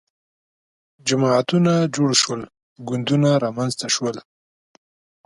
جماعتونه جوړ شول ګوندونه رامنځته شول